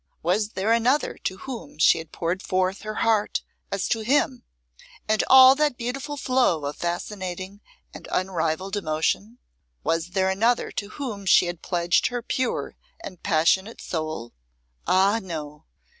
Was there another to whom she had poured forth her heart as to him, and all that beautiful flow of fascinating and unrivalled emotion? Was there another to whom she had pledged her pure and passionate soul? Ah, no!